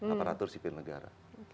aparatur sipil negara